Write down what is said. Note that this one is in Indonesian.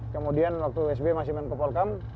kemudian waktu sbm masih main ke polkam